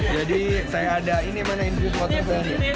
jadi saya ada ini mana infus